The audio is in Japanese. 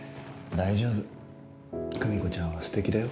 大丈夫久美子ちゃんはすてきだよ。